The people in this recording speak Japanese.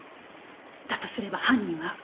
だとすれば犯人は。